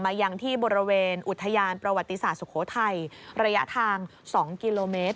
ยังที่บริเวณอุทยานประวัติศาสตร์สุโขทัยระยะทาง๒กิโลเมตร